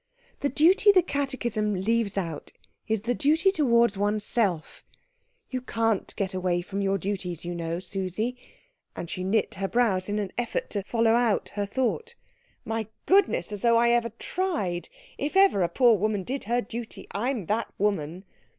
The duty the catechism leaves out is the duty towards oneself. You can't get away from your duties, you know, Susie " And she knit her brows in her effort to follow out her thought. "My goodness, as though I ever tried! If ever a poor woman did her duty, I'm that woman."